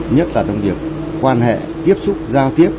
nhất là trong việc quan hệ tiếp xúc giao tiếp